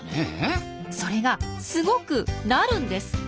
それがすごくなるんです！